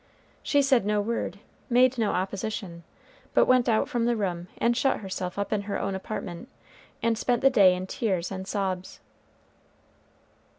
She said no word, made no opposition, but went out from the room and shut herself up in her own apartment, and spent the day in tears and sobs.